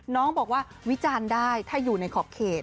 น้องบอกว่าวิจารณ์ได้ถ้าอยู่ในขอบเขต